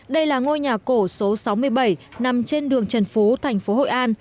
đây là ngôi nhà cổ số sáu mươi bảy nằm trên đường trần phú thành phố hội an